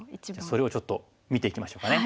それをちょっと見ていきましょうかね。